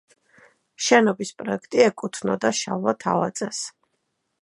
შენობის პროექტი ეკუთვნოდა შალვა თავაძეს.